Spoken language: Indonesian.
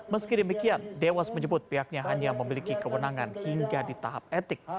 meski demikian dewas menyebut pihaknya hanya memiliki kewenangan hingga di tahap etik